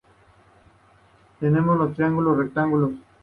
Tenemos dos triángulos rectángulos.